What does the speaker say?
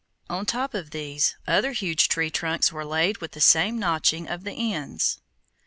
On top of these, other huge tree trunks were laid with the same notching of the ends.